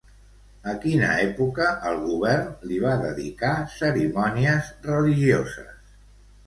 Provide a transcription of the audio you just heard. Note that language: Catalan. A quina època el govern li va dedicar cerimònies religioses?